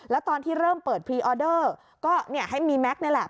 แล้วตอนที่เริ่มเปิดพรีออเดอร์ก็ให้มีแม็กซ์นี่แหละ